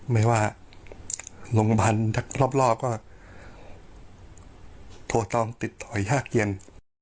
ไม่ว่าโรงพยาบาลรอบก็โทรต้องติดต่อยห้าเกียรติ